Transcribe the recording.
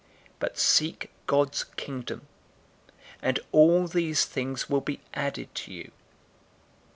012:031 But seek God's Kingdom, and all these things will be added to you.